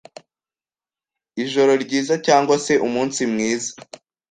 Ijoro ryiza cyangwa se umunsi mwiza